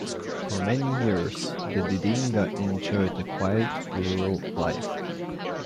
For many years, the Didinga enjoyed a quiet, rural life.